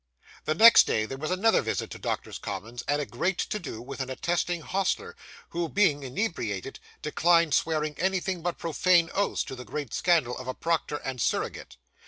The next day there was another visit to Doctors' Commons, and a great to do with an attesting hostler, who, being inebriated, declined swearing anything but profane oaths, to the great scandal of a proctor and surrogate.